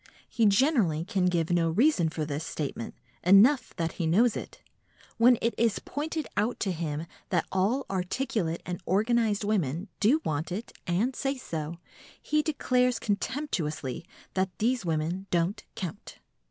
He generally can give no reason for this statement; enough that he knows it. When it is pointed out to him that all articulate and organised women do want it and say so, he declares contemptuously that these women don't count.